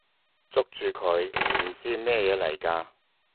捉住佢！唔知咩嘢嚟㗎！